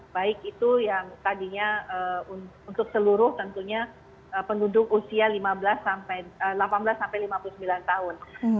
baik itu yang tadinya untuk seluruh tentunya penduduk usia delapan belas sampai lima puluh sembilan tahun